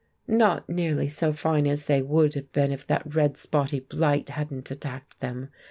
"Not nearly so fine as they would have been if that red spotty blight hadn't attacked them.